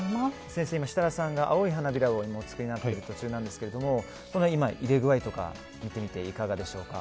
先生、設楽さんが青い花びらをお作りになっている途中なんですが入れ具合とか見ていただいていかがでしょうか。